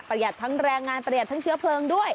ทั้งแรงงานประหยัดทั้งเชื้อเพลิงด้วย